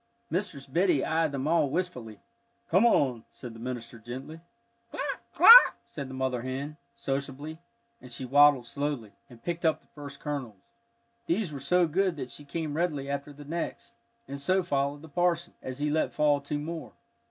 Mistress Biddy eyed them all wistfully. "Come on," said the minister, gently. "Cluck cluck," said the mother hen, sociably, and she waddled slowly, and picked up the first kernels. These were so good that she came readily after the next, and so followed the parson, as he let fall two more.